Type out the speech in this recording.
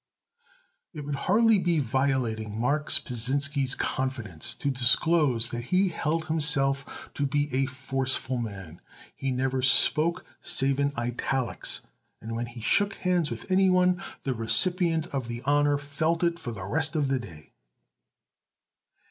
It would hardly be violating Marks Pasinsky's confidence to disclose that he held himself to be a forceful man. He never spoke save in italics, and when he shook hands with anyone the recipient of the honor felt it for the rest of the day.